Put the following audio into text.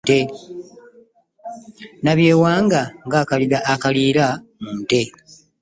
Nabyewanga nga akaliga akaliira mu nte.